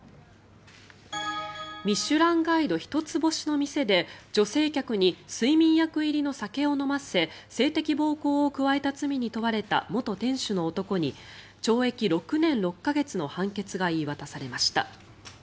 「ミシュランガイド」１つ星の店で女性客に睡眠薬入りの酒を飲ませ性的暴行を加えた罪に問われた元店主の男に懲役６年６か月の判決が言い渡されました。